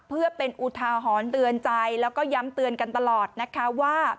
เพื่อเป็นอุทาหรณ์เตือนใจแล้วก็ย้ำเตือนกันตลอดนะคะว่า